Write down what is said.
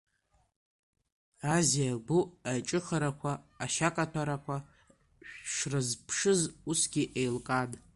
Азиа-гәы аиҿыхарақәа, ашьакаҭәарақәа шрызԥшыз усгьы еилкаан.